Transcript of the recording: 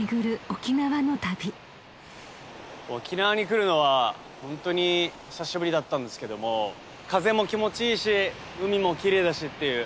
沖縄に来るのはホントに久しぶりだったんですけども風も気持ちいいし海も奇麗だしっていう。